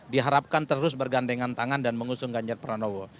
diharapkan terus bergandengan tangan dan mengusung ganjar pranowo